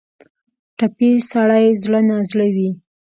ټپي سړی زړه نا زړه وي.